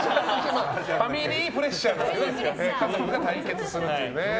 ファミリープレッシャーなんですけど家族が対決するというね。